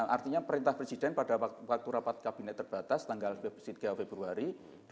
artinya perintah presiden pada waktu rapat kabinet terbatas tanggal dua puluh tiga februari dua ribu dua puluh